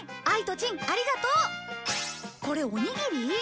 あいとちんありがとう。これおにぎり？